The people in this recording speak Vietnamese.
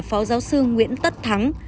phó giáo sư nguyễn tất thắng